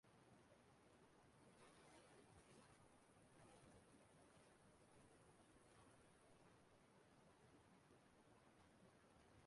ọ kachasị site n'ịdị na-ewetàra ha mkpesa bànyere ọnọdụ ọbụla a na-enyo ènyò